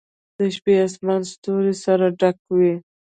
د شپې آسمان ستورو سره ډک و.